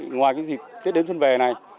ngoài cái dịp tết đến xuân về này